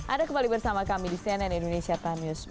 ada kembali bersama kami di cnn indonesia prime news